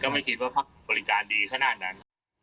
ไม่คิดว่าบริการดีขนาดนั้น